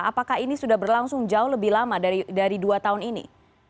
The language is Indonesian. apakah ini sudah berlangsung jauh lebih lama dari dua tahun ini